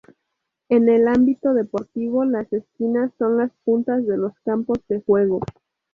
En el ámbito deportivo, las esquinas son las puntas de los campos de juego.